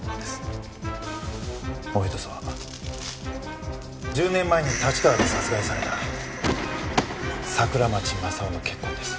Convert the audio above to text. もう１つは１０年前に立川で殺害された桜町正夫の血痕です。